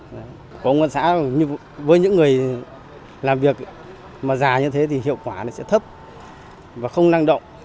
của công an xã nhưng với những người làm việc mà già như thế thì hiệu quả nó sẽ thấp và không năng động